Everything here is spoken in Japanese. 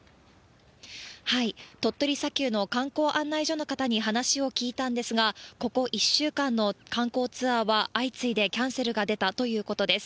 鳥取砂丘の観光案内所の方に話を聞いたんですが、ここ１週間の観光ツアーは、相次いでキャンセルが出たということです。